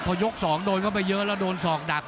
พอยก๒โดนเข้าไปเยอะแล้วโดนศอกดัก